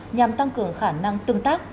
nhằm tăng cường khả năng tương tác